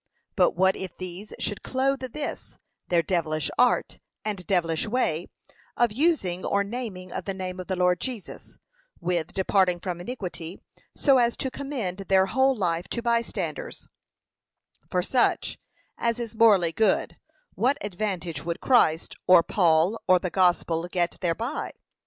But what if these should clothe this, their devilish art, and devilish way, of using or naming of the name of the Lord Jesus, with departing from iniquity, so as to commend their whole life to by standers, for such: as is morally good: what advantage would Christ, or Paul, or the gospel, get thereby?